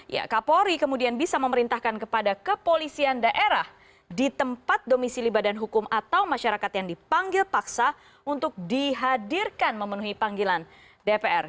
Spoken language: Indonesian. ya kapolri kemudian bisa memerintahkan kepada kepolisian daerah di tempat domisili badan hukum atau masyarakat yang dipanggil paksa untuk dihadirkan memenuhi panggilan dpr